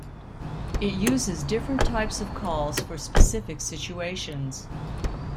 It uses different types of calls for specific situations.